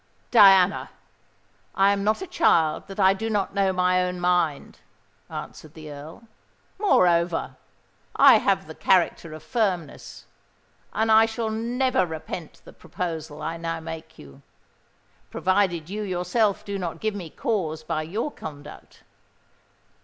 "Diana, I am not a child that I do not know my own mind," answered the Earl: "moreover, I have the character of firmness: and I shall never repent the proposal I now make you—provided you yourself do not give me cause by your conduct."